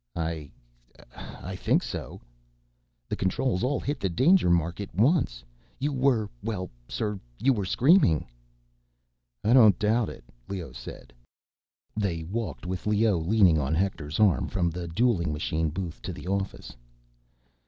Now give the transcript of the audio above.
"I ... I think so." "The controls all hit the danger mark at once. You were ... well, sir, you were screaming." "I don't doubt it," Leoh said. They walked, with Leoh leaning on Hector's arm, from the dueling machine booth to the office.